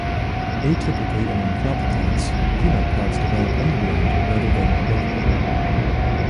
Atypically among crop plants, peanut pods develop underground rather than aboveground.